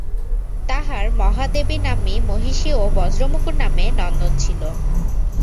তাঁহার মহাদেবীনাম্নী মহিষী ও বজ্রমুকুট নামে নন্দন ছিল।